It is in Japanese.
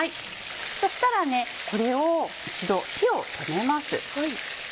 そしたらこれを一度火を止めます。